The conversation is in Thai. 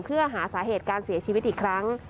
เพื่อหาสาเหตุการเสียชีวิตอีกครั้ง